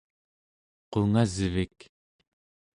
qungasvik